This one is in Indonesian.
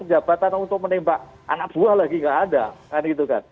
jabatan untuk menembak anak buah lagi tidak ada